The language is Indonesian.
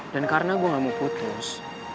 dan karena gue gak mau putus